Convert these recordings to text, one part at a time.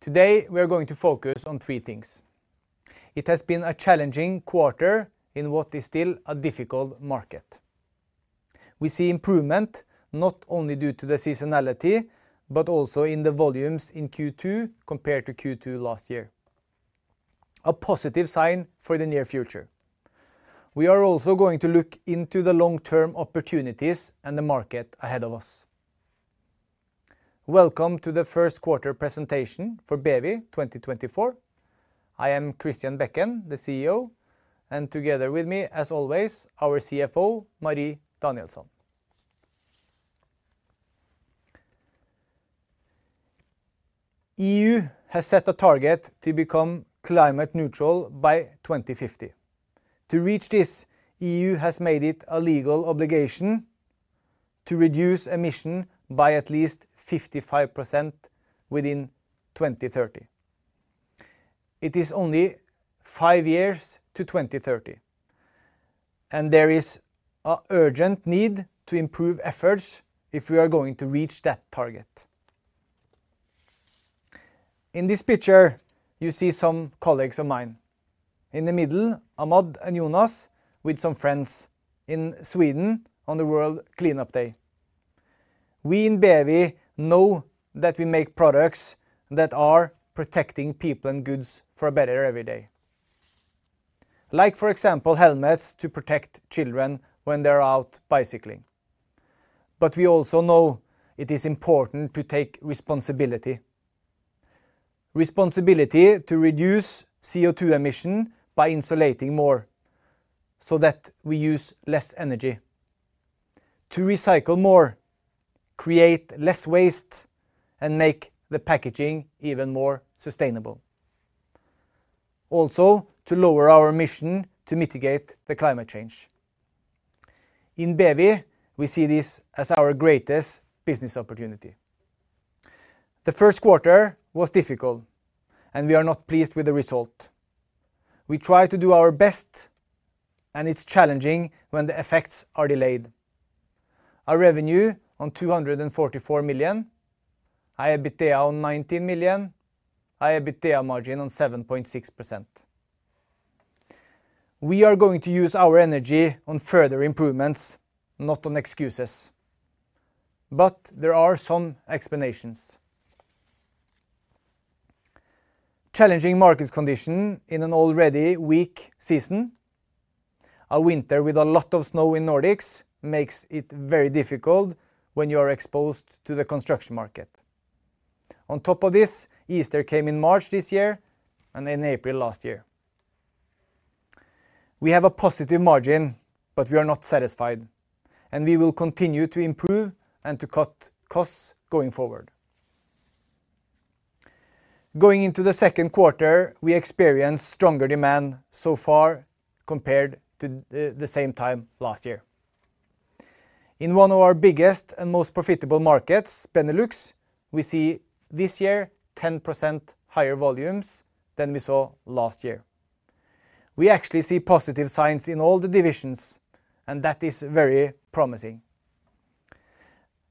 Today we are going to focus on three things. It has been a challenging quarter in what is still a difficult market. We see improvement not only due to the seasonality, but also in the volumes in Q2 compared to Q2 last year, a positive sign for the near future. We are also going to look into the long-term opportunities and the market ahead of us. Welcome to the first quarter presentation for BEWI 2024. I am Christian Bekken, the CEO, and together with me, as always, our CFO, Marie Danielsson. EU has set a target to become climate neutral by 2050. To reach this, EU has made it a legal obligation to reduce emission by at least 55% within 2030. It is only five years to 2030, and there is an urgent need to improve efforts if we are going to reach that target. In this picture, you see some colleagues of mine in the middle, Ahmad and Jonas, with some friends in Sweden on the World Cleanup Day. We in BEWI know that we make products that are protecting people and goods for a better everyday, like, for example, helmets to protect children when they are out bicycling. But we also know it is important to take responsibility, responsibility to reduce CO2 emission by insulating more so that we use less energy, to recycle more, create less waste, and make the Packaging even more sustainable, also to lower our emission to mitigate climate change. In BEWI, we see this as our greatest business opportunity. The first quarter was difficult, and we are not pleased with the result. We try to do our best, and it's challenging when the effects are delayed. Our revenue of 244 million, EBITDA of 19 million, EBITDA margin of 7.6%. We are going to use our energy on further improvements, not on excuses. But there are some explanations. Challenging market conditions in an already weak season, a winter with a lot of snow in the Nordics, makes it very difficult when you are exposed to the construction market. On top of this, Easter came in March this year and in April last year. We have a positive margin, but we are not satisfied, and we will continue to improve and to cut costs going forward. Going into the second quarter, we experienced stronger demand so far compared to the same time last year. In one of our biggest and most profitable markets, Benelux, we see this year 10% higher volumes than we saw last year. We actually see positive signs in all the divisions, and that is very promising.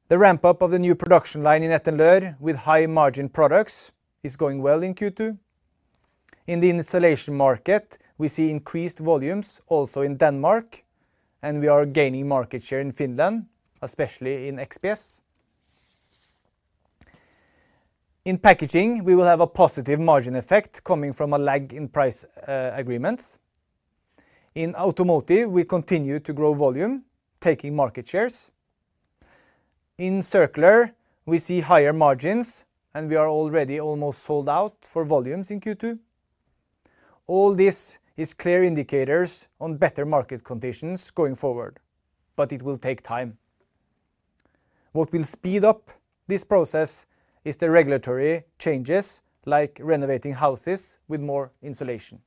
The ramp-up of the new production line in Etten-Leur with high-margin products is going well in Q2. In the insulation market, we see increased volumes also in Denmark, and we are gaining market share in Finland, especially in XPS. In Packaging, we will have a positive margin effect coming from a lag in price agreements. In Automotive, we continue to grow volume, taking market shares. In Circular, we see higher margins, and we are already almost sold out for volumes in Q2. All this is clear indicators on better market conditions going forward, but it will take time. What will speed up this process is the regulatory changes, like renovating houses with more insulation.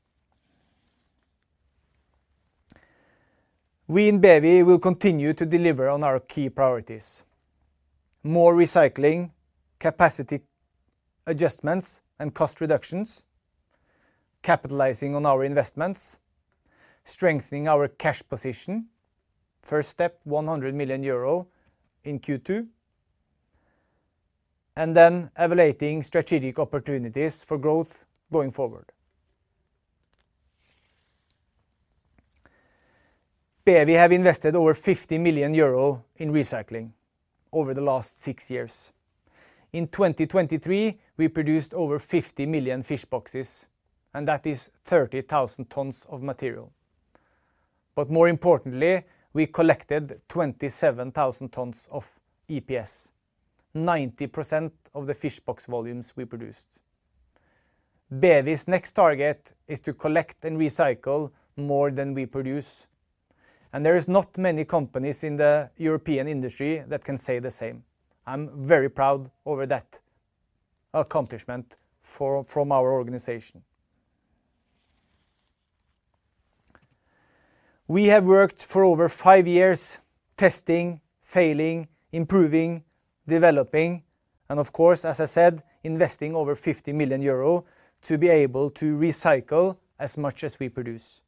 We in BEWI will continue to deliver on our key priorities: more recycling, capacity adjustments, and cost reductions, capitalizing on our investments, strengthening our cash position, first step 100 million euro in Q2, and then evaluating strategic opportunities for growth going forward. BEWI have invested over 50 million euro in recycling over the last six years. In 2023, we produced over 50 million fish boxes, and that is 30,000 tons of material. But more importantly, we collected 27,000 tons of EPS, 90% of the fish box volumes we produced. BEWI's next target is to collect and recycle more than we produce, and there are not many companies in the European industry that can say the same. I'm very proud of that accomplishment from our organization. We have worked for over five years, testing, failing, improving, developing, and of course, as I said, investing over 50 million euro to be able to recycle as much as we produce.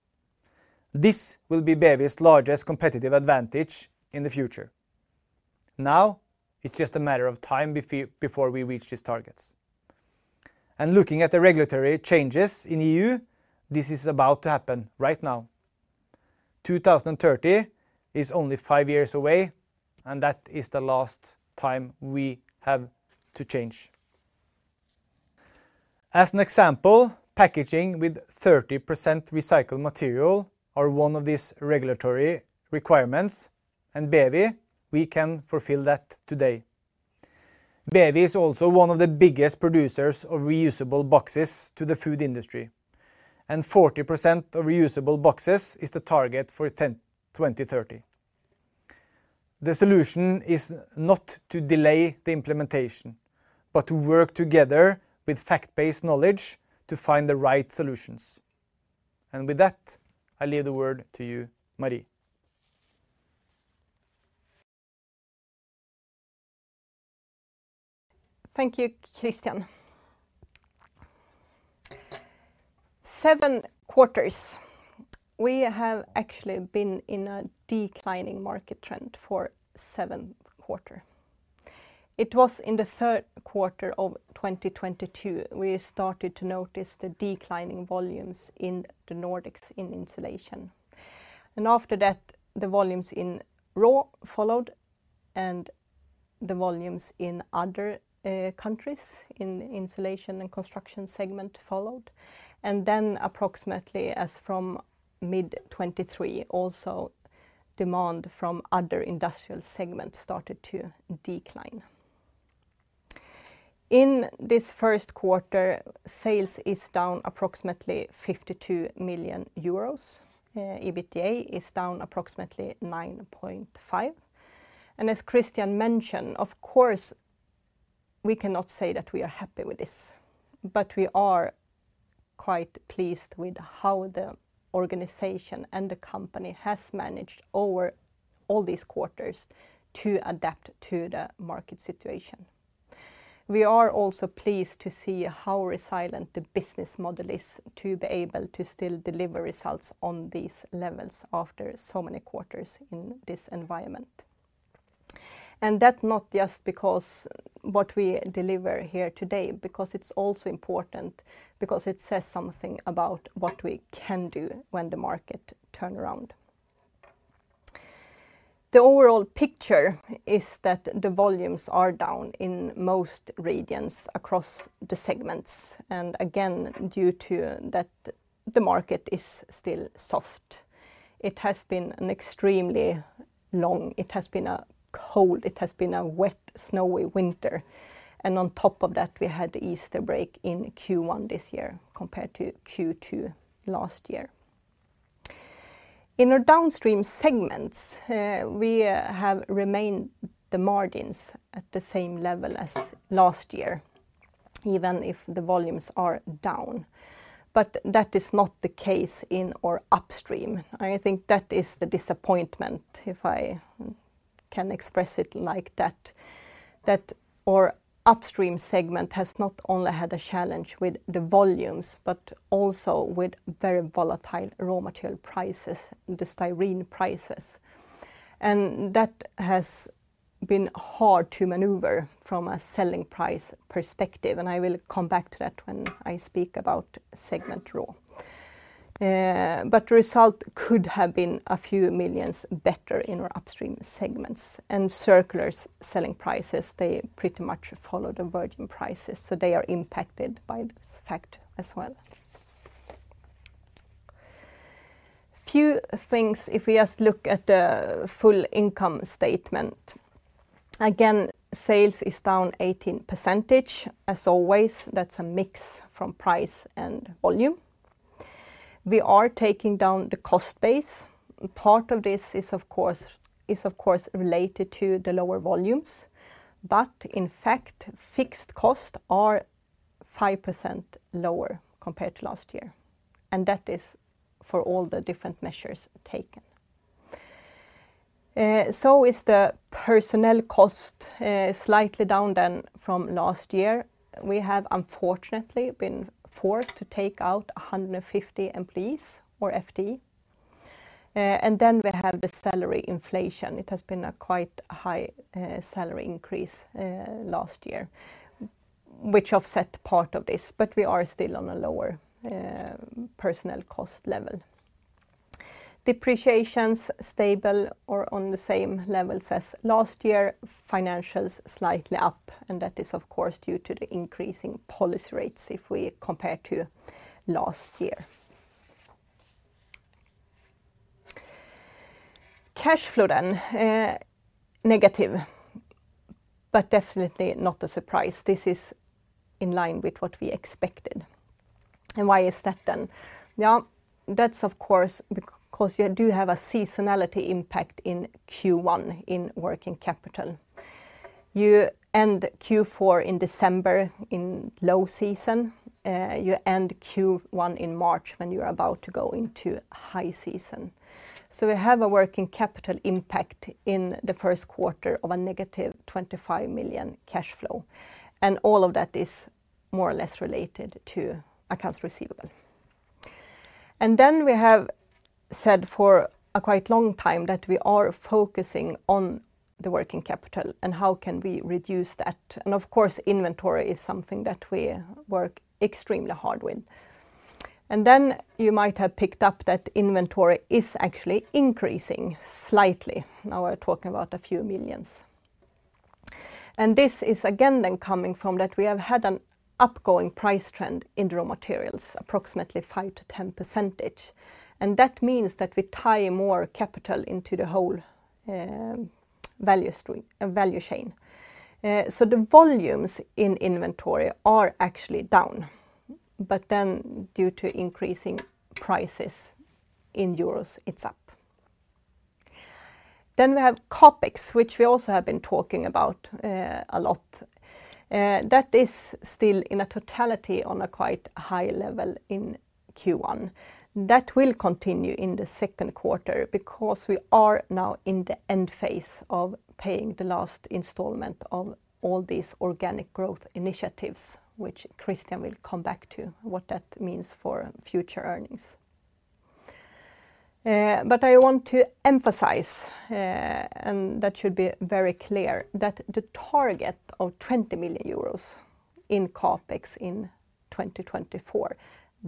This will be BEWI's largest competitive advantage in the future. Now it's just a matter of time before we reach these targets. And looking at the regulatory changes in the EU, this is about to happen right now. 2030 is only five years away, and that is the last time we have to change. As an example, Packaging with 30% recycled material is one of these regulatory requirements, and BEWI, we can fulfill that today. BEWI is also one of the biggest producers of reusable boxes for the food industry, and 40% of reusable boxes is the target for 2030. The solution is not to delay the implementation, but to work together with fact-based knowledge to find the right solutions. With that, I leave the word to you, Marie. Thank you, Christian. Seven quarters. We have actually been in a declining market trend for the seventh quarter. It was in the third quarter of 2022 that we started to notice the declining volumes in the Nordics in insulation. After that, the volumes in RAW followed, and the volumes in other countries in the insulation and construction segment followed. Then approximately from mid-2023, also demand from other industrial segments started to decline. In this first quarter, sales are down approximately 52 million euros. EBITDA is down approximately 9.5%. As Christian mentioned, of course, we cannot say that we are happy with this, but we are quite pleased with how the organization and the company have managed over all these quarters to adapt to the market situation. We are also pleased to see how resilient the business model is to be able to still deliver results on these levels after so many quarters in this environment. That's not just because of what we deliver here today, because it's also important, because it says something about what we can do when the market turns around. The overall picture is that the volumes are down in most regions across the segments. Again, due to that, the market is still soft. It has been an extremely long, cold, wet, snowy winter. On top of that, we had the Easter break in Q1 this year compared to Q2 last year. In our downstream segments, we have remained the margins at the same level as last year, even if the volumes are down. But that is not the case in our upstream. I think that is the disappointment, if I can express it like that, that our upstream segment has not only had a challenge with the volumes but also with very volatile raw material prices, the styrene prices. That has been hard to maneuver from a selling price perspective. I will come back to that when I speak about segment RAW. But the result could have been a few million better in our upstream segments. Circular's selling prices, they pretty much follow the virgin prices, so they are impacted by this fact as well. A few things, if we just look at the full income statement. Again, sales are down 18%. As always, that's a mix from price and volume. We are taking down the cost base. Part of this is, of course, related to the lower volumes, but in fact, fixed costs are 5% lower compared to last year. That is for all the different measures taken. So is the personnel cost slightly down from last year. We have, unfortunately, been forced to take out 150 employees or FTE. Then we have the salary inflation. It has been a quite high salary increase last year, which offset part of this, but we are still on a lower personnel cost level. Depreciation is stable or on the same levels as last year. Financials are slightly up, and that is, of course, due to the increasing policy rates if we compare to last year. Cash flow is then negative, but definitely not a surprise. This is in line with what we expected. Why is that then? Yeah, that's, of course, because you do have a seasonality impact in Q1 in working capital. You end Q4 in December in low season. You end Q1 in March when you're about to go into high season. So we have a working capital impact in the first quarter of -25 million cash flow. And all of that is more or less related to accounts receivable. And then we have said for a quite long time that we are focusing on the working capital and how can we reduce that. And of course, inventory is something that we work extremely hard with. And then you might have picked up that inventory is actually increasing slightly. Now we're talking about a few millions. And this is again then coming from that we have had an upgoing price trend in the raw materials, approximately 5%-10%. That means that we tie more capital into the whole value chain. The volumes in inventory are actually down, but then due to increasing prices in euros, it's up. We have CapEx, which we also have been talking about a lot. That is still in a totality on a quite high level in Q1. That will continue in the second quarter because we are now in the end phase of paying the last installment of all these organic growth initiatives, which Christian will come back to what that means for future earnings. I want to emphasize, and that should be very clear, that the target of 20 million euros in CapEx in 2024,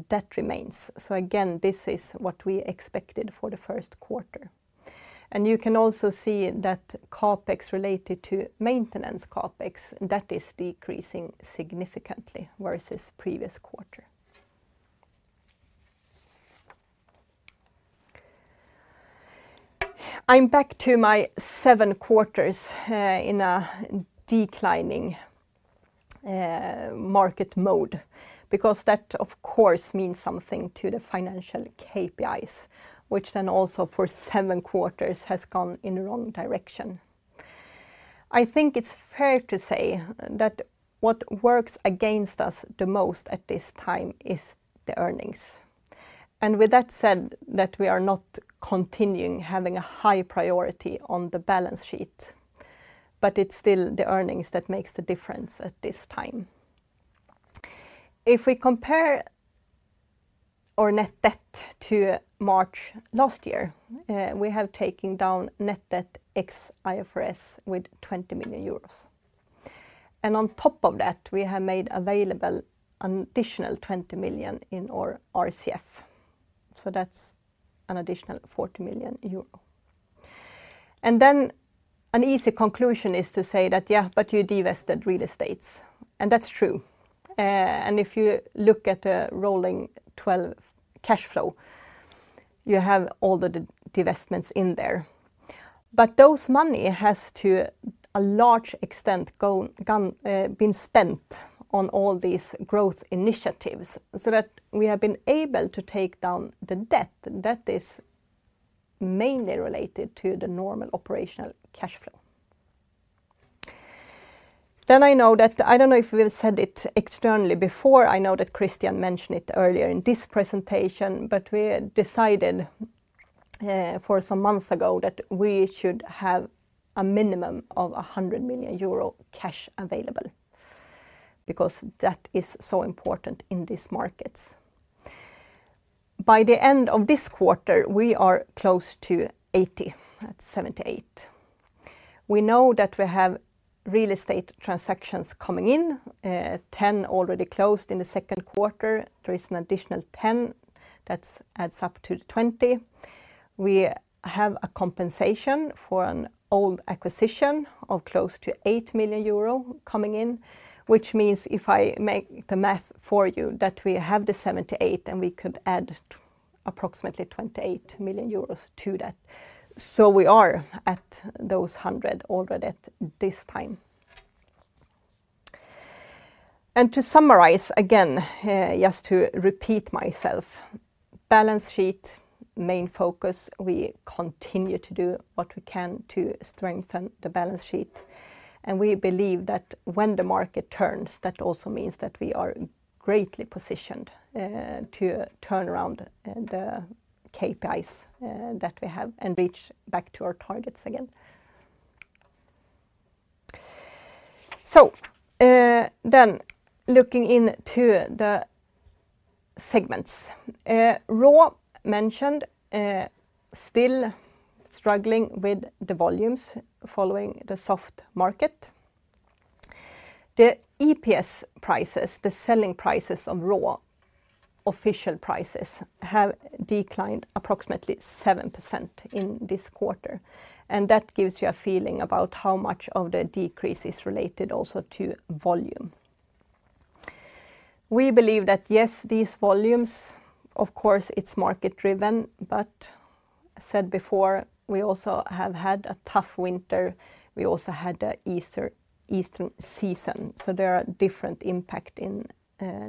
that remains. Again, this is what we expected for the first quarter. You can also see that CapEx related to maintenance CapEx, that is decreasing significantly versus previous quarter. I'm back to my seven quarters in a declining market mode because that, of course, means something to the financial KPIs, which then also for seven quarters has gone in the wrong direction. I think it's fair to say that what works against us the most at this time is the earnings. And with that said, that we are not continuing having a high priority on the balance sheet, but it's still the earnings that make the difference at this time. If we compare our net debt to March last year, we have taken down net debt ex IFRS with 20 million euros. And on top of that, we have made available an additional 20 million in our RCF. So that's an additional 40 million euro. And then an easy conclusion is to say that, yeah, but you divested real estates. And that's true. And if you look at the rolling cash flow, you have all the divestments in there. But those money has to a large extent been spent on all these growth initiatives so that we have been able to take down the debt that is mainly related to the normal operational cash flow. I know that I don't know if we've said it externally before. I know that Christian mentioned it earlier in this presentation, but we decided for some months ago that we should have a minimum of 100 million euro cash available because that is so important in these markets. By the end of this quarter, we are close to 80 million. That's 78 million. We know that we have real estate transactions coming in, 10 million already closed in the second quarter. There is an additional 10 million that adds up to 20 million. We have a compensation for an old acquisition of close to 8 million euro coming in, which means if I make the math for you, that we have the 78 and we could add approximately 28 million euros to that. So we are at those 100 already at this time. And to summarize again, just to repeat myself, balance sheet, main focus, we continue to do what we can to strengthen the balance sheet. And we believe that when the market turns, that also means that we are greatly positioned to turn around the KPIs that we have and reach back to our targets again. So then looking into the segments, RAW mentioned still struggling with the volumes following the soft market. The EPS prices, the selling prices of RAW, official prices have declined approximately 7% in this quarter. That gives you a feeling about how much of the decrease is related also to volume. We believe that, yes, these volumes, of course, it's market-driven, but as said before, we also have had a tough winter. We also had the Easter season. So there are different impacts in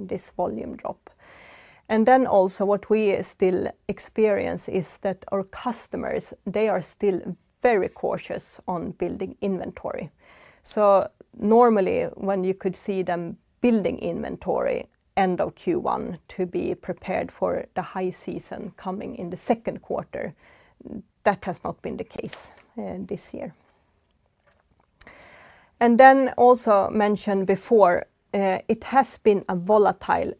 this volume drop. And then also what we still experience is that our customers, they are still very cautious on building inventory. So normally when you could see them building inventory end of Q1 to be prepared for the high season coming in the second quarter, that has not been the case this year. And then also mentioned before, it has been a volatile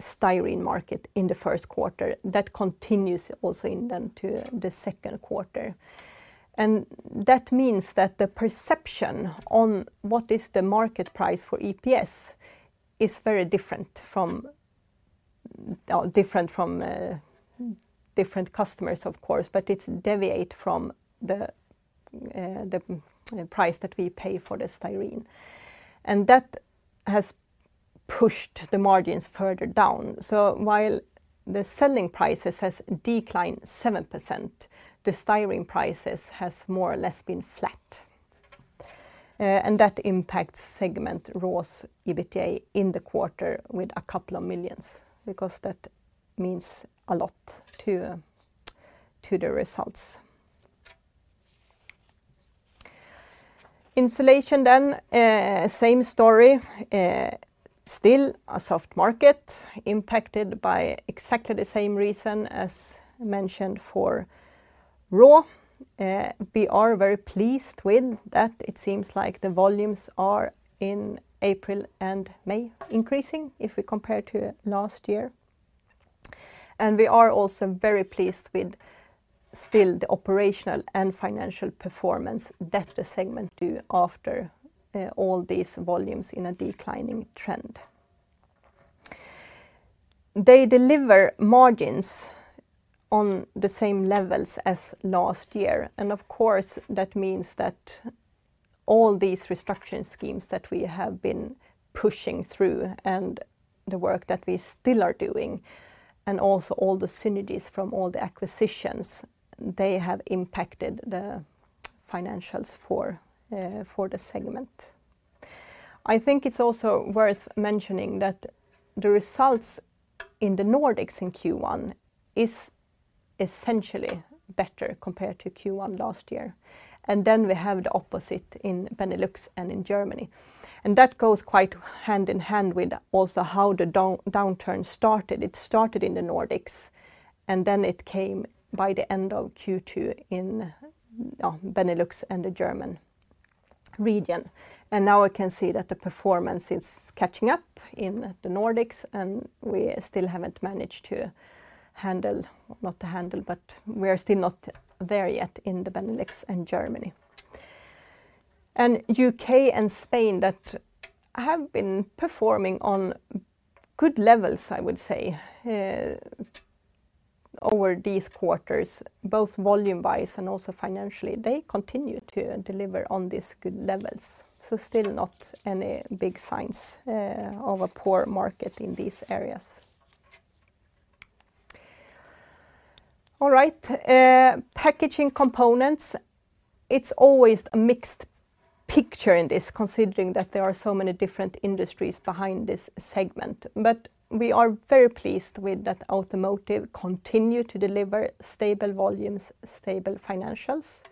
styrene market in the first quarter that continues also into the second quarter. That means that the perception on what is the market price for EPS is very different from different customers, of course, but it deviates from the price that we pay for the styrene. And that has pushed the margins further down. So while the selling prices have declined 7%, the styrene prices have more or less been flat. And that impacts the RAW segment's EBITDA in the quarter with 2 million because that means a lot to the results. Insulation then, same story. Still a soft market impacted by exactly the same reason as mentioned for RAW. We are very pleased with that. It seems like the volumes are in April and May increasing if we compare to last year. And we are also very pleased with still the operational and financial performance that the segment do after all these volumes in a declining trend. They deliver margins on the same levels as last year. And of course, that means that all these restructuring schemes that we have been pushing through and the work that we still are doing and also all the synergies from all the acquisitions, they have impacted the financials for the segment. I think it's also worth mentioning that the results in the Nordics in Q1 are essentially better compared to Q1 last year. And then we have the opposite in Benelux and in Germany. And that goes quite hand in hand with also how the downturn started. It started in the Nordics, and then it came by the end of Q2 in Benelux and the German region. Now we can see that the performance is catching up in the Nordics, and we still haven't managed to handle, but we are still not there yet in the Benelux and Germany. U.K. and Spain that have been performing on good levels, I would say, over these quarters, both volume-wise and also financially, they continue to deliver on these good levels. So still not any big signs of a poor market in these areas. All right. Packaging components, it's always a mixed picture in this considering that there are so many different industries behind this segment. But we are very pleased with that Automotive continue to deliver stable volumes, stable financials.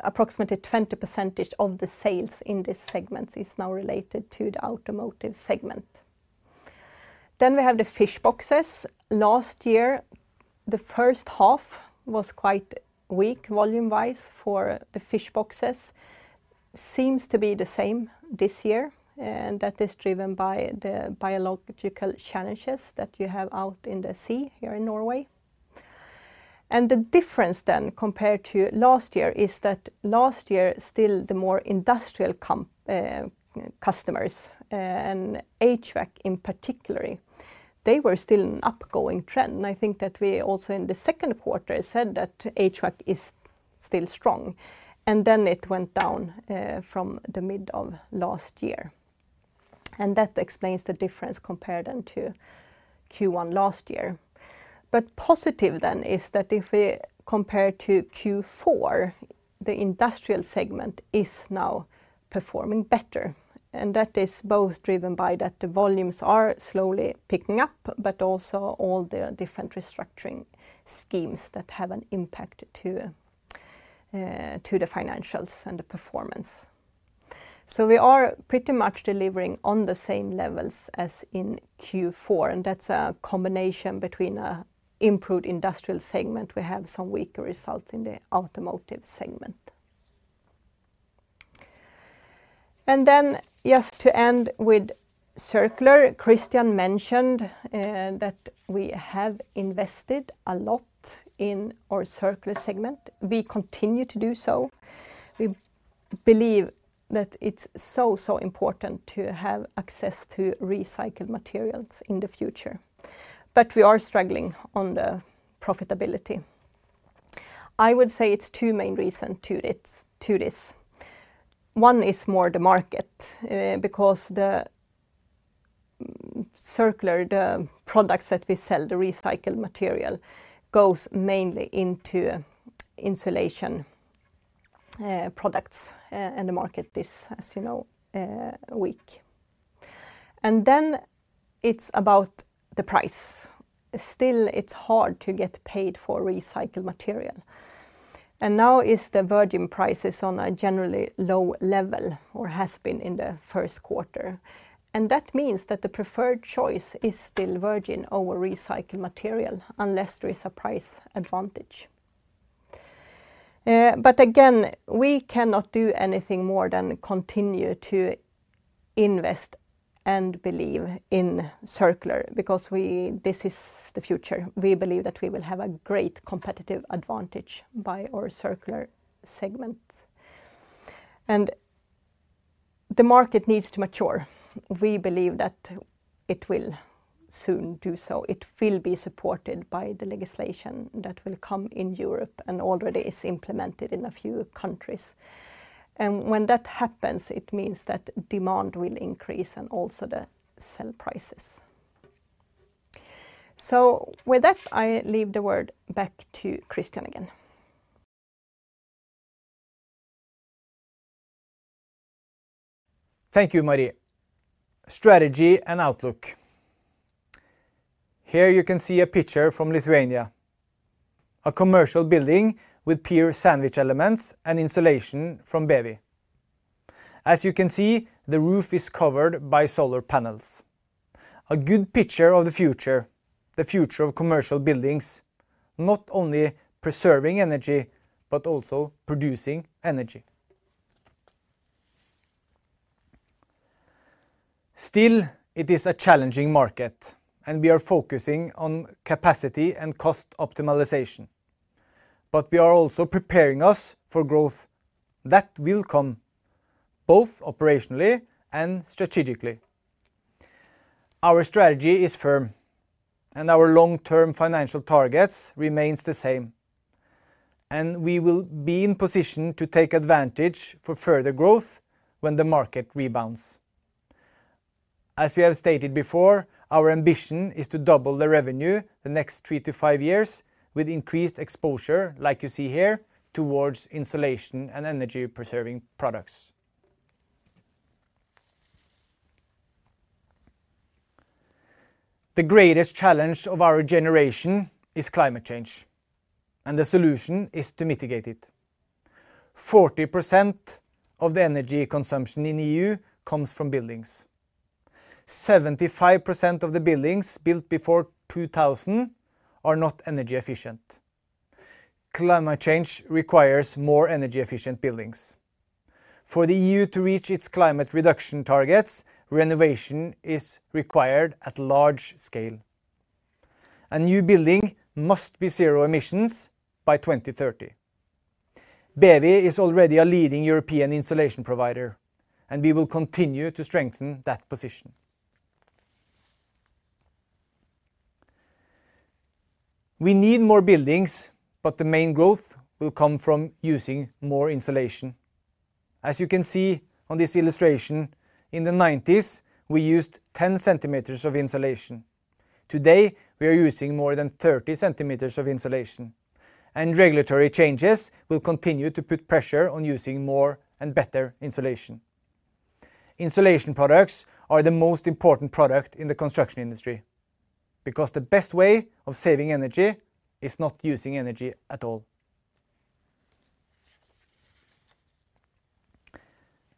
Approximately 20% of the sales in this segment is now related to the Automotive segment. Then we have the fish boxes. Last year, the first half was quite weak volume-wise for the fish boxes. Seems to be the same this year. That is driven by the biological challenges that you have out in the sea here in Norway. The difference then compared to last year is that last year, still the more industrial customers and HVAC in particular, they were still an upgoing trend. I think that we also in the second quarter said that HVAC is still strong. Then it went down from the mid of last year. That explains the difference compared then to Q1 last year. But positive then is that if we compare to Q4, the industrial segment is now performing better. That is both driven by that the volumes are slowly picking up, but also all the different restructuring schemes that have an impact to the financials and the performance. So we are pretty much delivering on the same levels as in Q4. That's a combination between an improved industrial segment. We have some weaker results in the Automotive segment. Then just to end with Circular, Christian mentioned that we have invested a lot in our Circular segment. We continue to do so. We believe that it's so, so important to have access to recycled materials in the future. But we are struggling on the profitability. I would say it's two main reasons to this. One is more the market because the Circular, the products that we sell, the recycled material goes mainly into insulation products in the market this, as you know, week. Then it's about the price. Still, it's hard to get paid for recycled material. Now the virgin price is on a generally low level or has been in the first quarter. That means that the preferred choice is still virgin over recycled material unless there is a price advantage. Again, we cannot do anything more than continue to invest and believe in Circular because this is the future. We believe that we will have a great competitive advantage by our Circular segment. The market needs to mature. We believe that it will soon do so. It will be supported by the legislation that will come in Europe and already is implemented in a few countries. When that happens, it means that demand will increase and also the sell prices. With that, I leave the word back to Christian again. Thank you, Marie. Strategy and outlook. Here you can see a picture from Lithuania, a commercial building with PUR sandwich elements and insulation from BEWI. As you can see, the roof is covered by solar panels. A good picture of the future, the future of commercial buildings, not only preserving energy but also producing energy. Still, it is a challenging market, and we are focusing on capacity and cost optimization. But we are also preparing us for growth that will come both operationally and strategically. Our strategy is firm, and our long-term financial targets remain the same. And we will be in position to take advantage for further growth when the market rebounds. As we have stated before, our ambition is to double the revenue the next three to five years with increased exposure, like you see here, towards insulation and energy-preserving products. The greatest challenge of our generation is climate change, and the solution is to mitigate it. 40% of the energy consumption in the EU comes from buildings. 75% of the buildings built before 2000 are not energy efficient. Climate change requires more energy-efficient buildings. For the EU to reach its climate reduction targets, renovation is required at large scale. A new building must be zero emissions by 2030. BEWI is already a leading European insulation provider, and we will continue to strengthen that position. We need more buildings, but the main growth will come from using more insulation. As you can see on this illustration, in the 1990s, we used 10 centimeters of insulation. Today, we are using more than 30 centimeters of insulation, and regulatory changes will continue to put pressure on using more and better insulation. Insulation products are the most important product in the construction industry because the best way of saving energy is not using energy at all.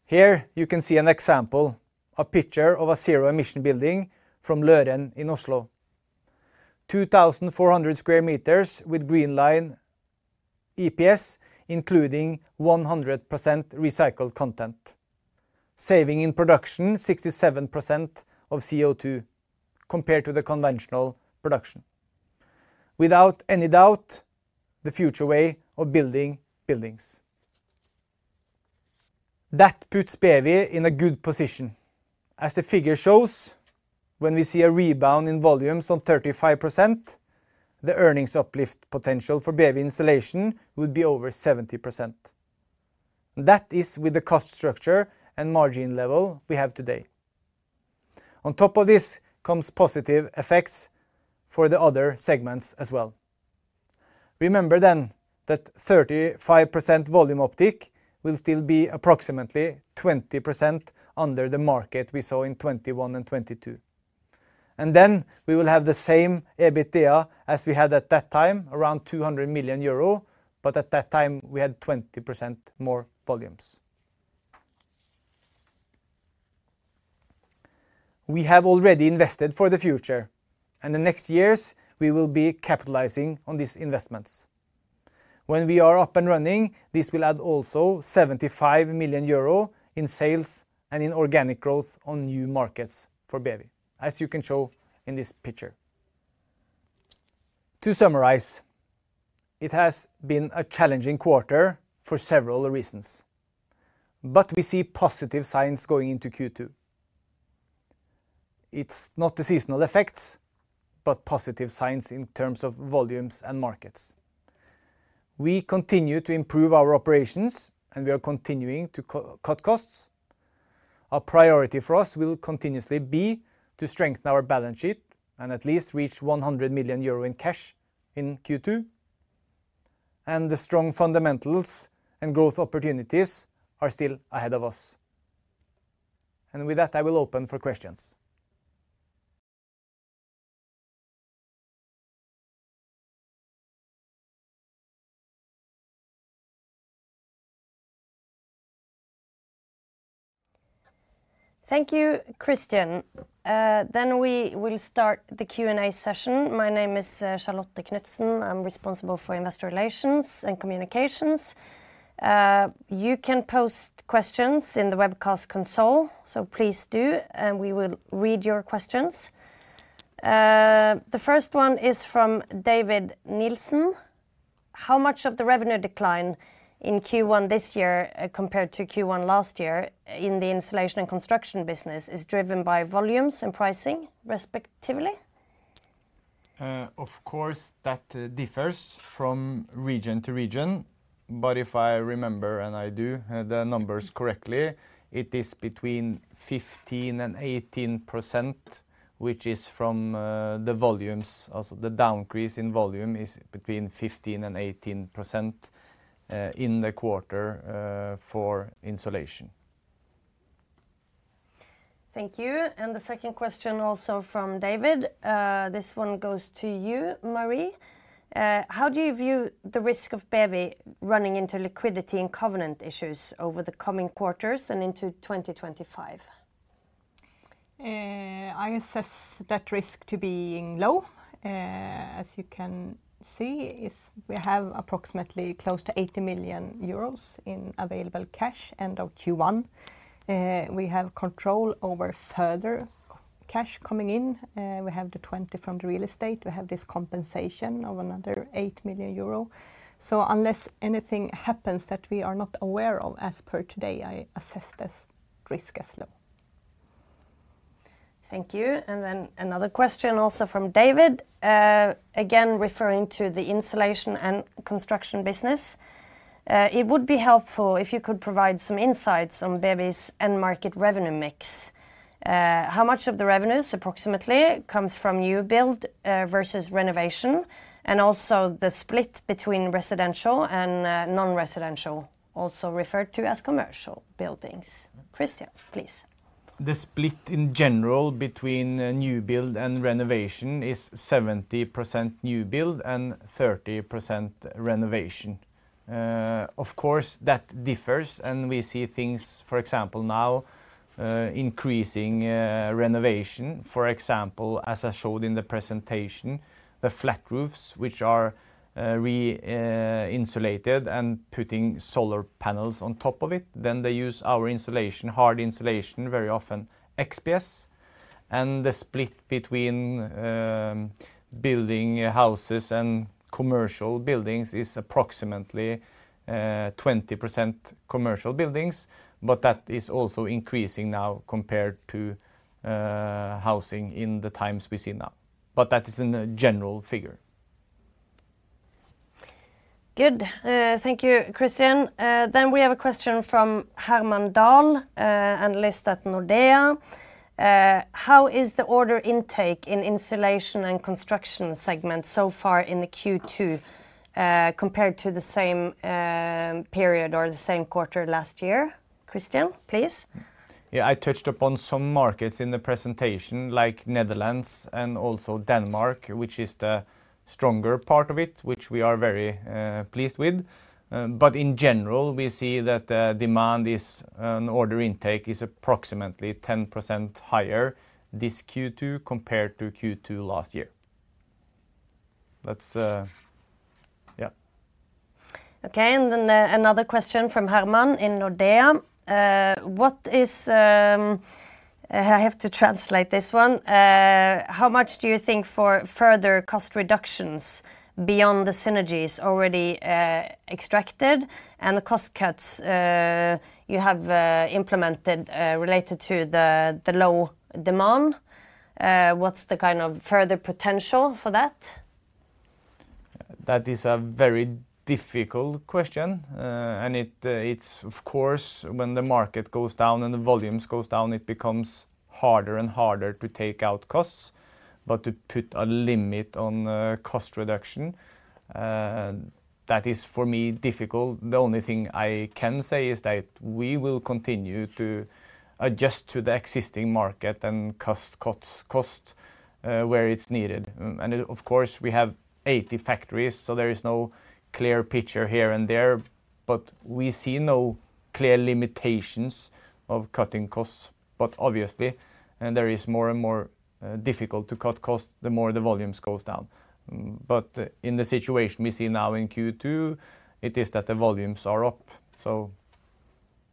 Here you can see an example, a picture of a zero-emission building from Løren in Oslo, 2,400 square meters with GreenLine EPS including 100% recycled content, saving in production 67% of CO2 compared to the conventional production. Without any doubt, the future way of building buildings. That puts BEWI in a good position. As the figure shows, when we see a rebound in volumes on 35%, the earnings uplift potential for BEWI insulation would be over 70%. That is with the cost structure and margin level we have today. On top of this comes positive effects for the other segments as well. Remember then that 35% volume uptick will still be approximately 20% under the market we saw in 2021 and 2022. Then we will have the same EBITDA as we had at that time, around 200 million euro, but at that time we had 20% more volumes. We have already invested for the future, and the next years we will be capitalizing on these investments. When we are up and running, this will add also 75 million euro in sales and in organic growth on new markets for BEWI, as you can show in this picture. To summarize, it has been a challenging quarter for several reasons, but we see positive signs going into Q2. It's not the seasonal effects, but positive signs in terms of volumes and markets. We continue to improve our operations, and we are continuing to cut costs. A priority for us will continuously be to strengthen our balance sheet and at least reach 100 million euro in cash in Q2. The strong fundamentals and growth opportunities are still ahead of us. With that, I will open for questions. Thank you, Christian. We will start the Q&A session. My name is Charlotte Knudsen. I'm responsible for investor relations and communications. You can post questions in the webcast console, so please do, and we will read your questions. The first one is from David Nielsen. How much of the revenue decline in Q1 this year compared to Q1 last year in the insulation and construction business is driven by volumes and pricing, respectively? Of course, that differs from region to region. But if I remember and I do the numbers correctly, it is between 15% and 18%, which is from the volumes. Also, the decrease in volume is between 15% and 18% in the quarter for insulation. Thank you. And the second question also from David. This one goes to you, Marie. How do you view the risk of BEWI running into liquidity and covenant issues over the coming quarters and into 2025? I assess that risk as being low. As you can see, we have approximately close to 80 million euros in available cash end of Q1. We have control over further cash coming in. We have the 20 million from the real estate. We have this compensation of another 8 million euro. So unless anything happens that we are not aware of as per today, I assess this risk as low. Thank you. Then another question also from David, again referring to the insulation and construction business. It would be helpful if you could provide some insights on BEWI's end market revenue mix. How much of the revenues, approximately, comes from new build versus renovation and also the split between residential and non-residential, also referred to as commercial buildings? Christian, please. The split in general between new build and renovation is 70% new build and 30% renovation. Of course, that differs, and we see things, for example, now increasing renovation. For example, as I showed in the presentation, the flat roofs which are re-insulated and putting solar panels on top of it, then they use our insulation, hard insulation, very often XPS. The split between building houses and commercial buildings is approximately 20% commercial buildings. That is also increasing now compared to housing in the times we see now. That is a general figure. Good. Thank you, Christian. Then we have a question from Herman Dahl, analyst at Nordea. How is the order intake in insulation and construction segment so far in the Q2 compared to the same period or the same quarter last year? Christian, please. Yeah, I touched upon some markets in the presentation, like Netherlands and also Denmark, which is the stronger part of it, which we are very pleased with. But in general, we see that the demand and order intake is approximately 10% higher this Q2 compared to Q2 last year. Yeah. Okay. And then another question from Herman in Nordea. What? I have to translate this one. How much do you think for further cost reductions beyond the synergies already extracted and the cost cuts you have implemented related to the low demand? What's the kind of further potential for that? That is a very difficult question. And of course, when the market goes down and the volumes go down, it becomes harder and harder to take out costs, but to put a limit on cost reduction, that is, for me, difficult. The only thing I can say is that we will continue to adjust to the existing market and cut costs where it's needed. And of course, we have 80 factories, so there is no clear picture here and there, but we see no clear limitations of cutting costs. But obviously, there is more and more difficult to cut costs the more the volumes go down. But in the situation we see now in Q2, it is that the volumes are up. So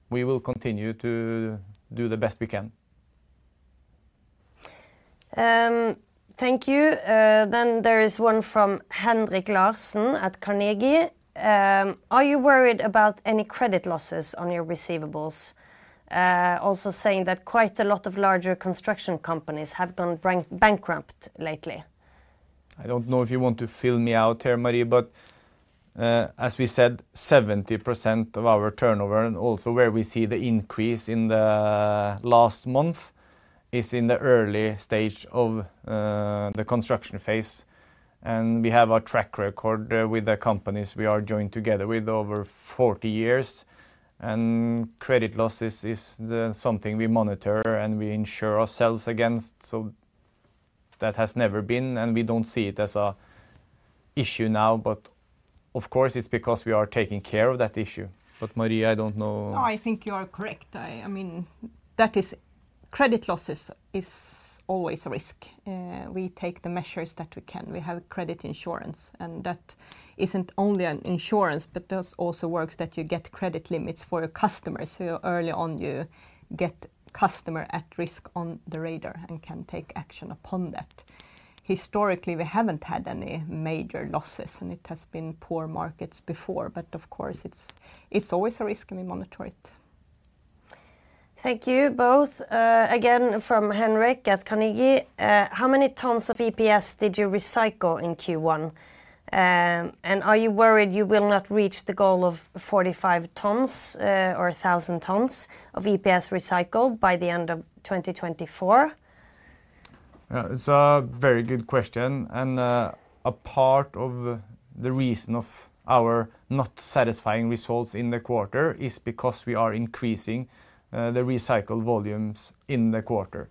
we will continue to do the best we can. Thank you. Then there is one from Henrik Larsen at Carnegie. Are you worried about any credit losses on your receivables? Also saying that quite a lot of larger construction companies have gone bankrupt lately. I don't know if you want to fill me in here, Marie, but as we said, 70% of our turnover and also where we see the increase in the last month is in the early stage of the construction phase. We have a track record with the companies we are joined together with over 40 years. Credit losses is something we monitor and we insure ourselves against. So that has never been, and we don't see it as an issue now. But of course, it's because we are taking care of that issue. But Marie, I don't know. No, I think you are correct. I mean, credit losses is always a risk. We take the measures that we can. We have credit insurance, and that isn't only an insurance, but there's also works that you get credit limits for your customers. So early on, you get customer at risk on the radar and can take action upon that. Historically, we haven't had any major losses, and it has been poor markets before. But of course, it's always a risk, and we monitor it. Thank you both. Again from Henrik at Carnegie. How many tons of EPS did you recycle in Q1? And are you worried you will not reach the goal of 45 tons or 1,000 tons of EPS recycled by the end of 2024? It's a very good question. A part of the reason of our not satisfying results in the quarter is because we are increasing the recycled volumes in the quarter.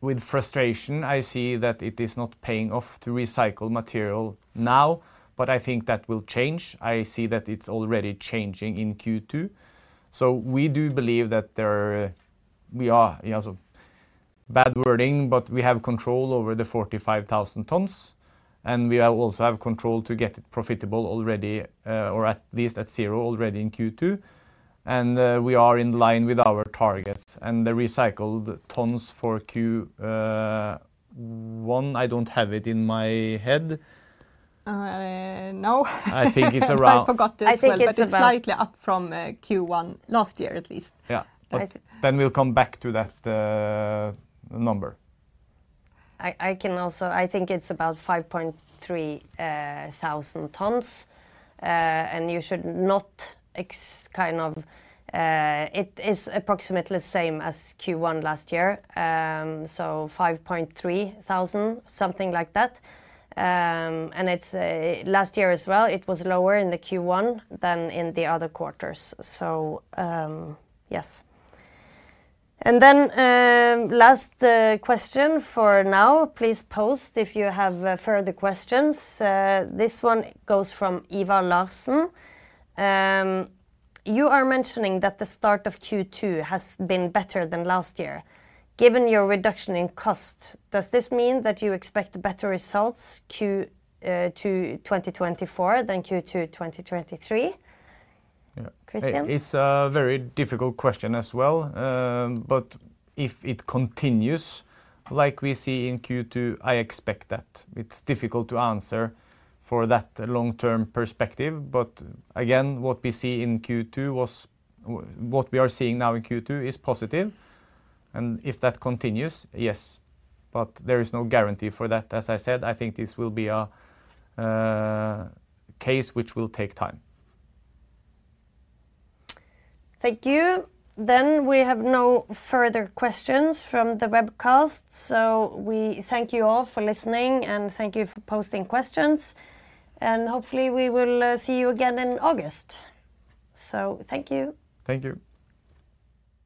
With frustration, I see that it is not paying off to recycle material now, but I think that will change. I see that it's already changing in Q2. We do believe that we are bad wording, but we have control over the 45,000 tons, and we also have control to get it profitable already, or at least at zero already in Q2. We are in line with our targets. The recycled tons for Q1, I don't have it in my head. No. I think it's around. I think it's slightly up from Q1 last year, at least. Yeah. But then we'll come back to that number. I can also, I think it's about 5,300 tons, and you should not kind of it is approximately the same as Q1 last year, so 5,300 tons, something like that. And last year as well, it was lower in the Q1 than in the other quarters. So yes. And then last question for now. Please post if you have further questions. This one goes from Eva Larsen. You are mentioning that the start of Q2 has been better than last year. Given your reduction in cost, does this mean that you expect better results Q2 2024 than Q2 2023? Christian? It's a very difficult question as well. But if it continues like we see in Q2, I expect that. It's difficult to answer for that long-term perspective. But again, what we see in Q2 was what we are seeing now in Q2 is positive. And if that continues, yes. But there is no guarantee for that. As I said, I think this will be a case which will take time. Thank you. We have no further questions from the webcast. We thank you all for listening, and thank you for posting questions. Hopefully, we will see you again in August. Thank you. Thank you.